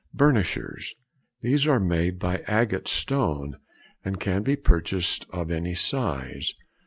Burnishers._—These are made of agate stone, and can be purchased of any size.